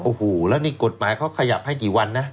โอ้โหแล้วนี่กฎหมายเขาขยับให้กี่วันนะ